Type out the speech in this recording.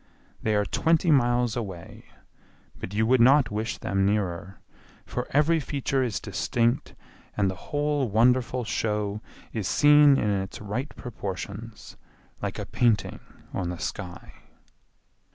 They are twenty miles away, but you would not wish them nearer, for every feature is distinct and the whole wonderful show is seen in its right proportions, like a painting on the sky.